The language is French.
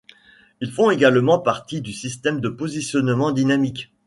Ils font également partie du système de positionnement dynamique.